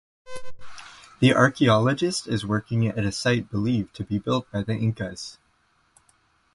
The archaeologist is working at a site believed to be built by the Incas.